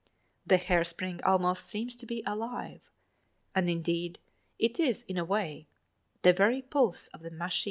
The hairspring (9) almost seems to be alive. And indeed, it is in a way, the very pulse of the machine.